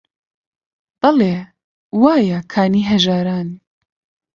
بەڵێ: وایە کانی هەژارن